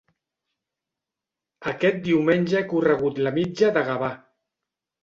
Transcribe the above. Aquest diumenge he corregut la Mitja de Gavà.